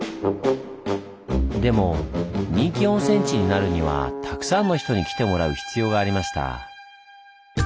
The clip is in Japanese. でも人気温泉地になるにはたくさんの人に来てもらう必要がありました。